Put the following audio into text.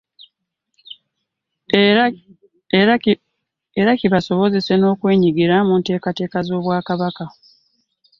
Era kibasobozese n'okwenyigira mu nteekateeka z'Obwakabaka.